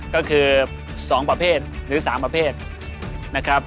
ก็คือ๒ประเภทหรือ๓ประเภทนะครับ